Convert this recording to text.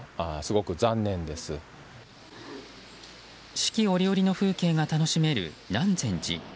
四季折々の風景が楽しめる南禅寺。